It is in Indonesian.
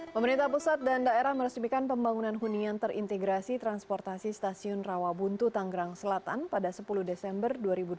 pemerintah pusat dan daerah meresmikan pembangunan hunian terintegrasi transportasi stasiun rawabuntu tanggerang selatan pada sepuluh desember dua ribu dua puluh